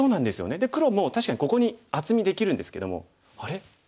で黒も確かにここに厚みできるんですけども「あれ？